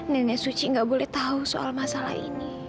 nenek suci nggak boleh tahu soal masalah ini